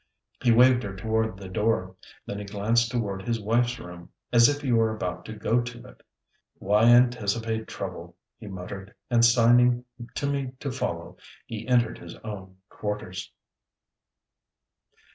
He waved her toward the door, then he glanced toward his wife's room, as if he were about to go to it. "Why anticipate trouble," he muttered, and signing to me to follow, he entered his own quarters.